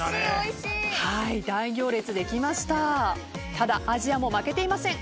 ただアジアも負けていません。